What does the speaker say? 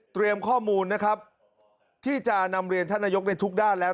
ข้อมูลนะครับที่จะนำเรียนท่านนายกในทุกด้านแล้ว